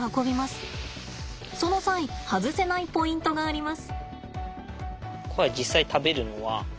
その際外せないポイントがあります。